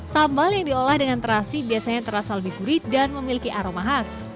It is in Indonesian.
sambal yang diolah dengan terasi biasanya terasa lebih gurih dan memiliki aroma khas